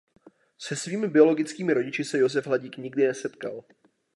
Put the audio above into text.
Se svými biologickými rodiči se Josef Hladík nikdy nesetkal.